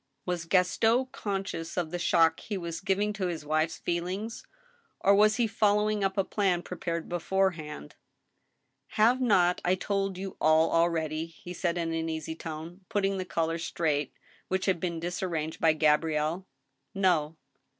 Was Gaston conscious of the shock he was giving to his wife's feelings, or was he following up a plan prepared beforehand ?" Have not I told you all already ?" he said, in an easy tone, put , ting the collar straight which had been disarranged by Gabrielle. "No."